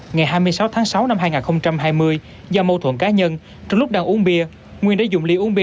ngày hai mươi sáu tháng sáu năm hai nghìn hai mươi do mâu thuẫn cá nhân trong lúc đang uống bia nguyên đã dùng ly uống bia